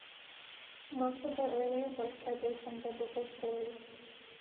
Most of her earlier books are based on biblical stories.